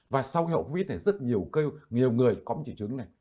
và sau cái hậu viết này rất nhiều người có một chỉ chứng này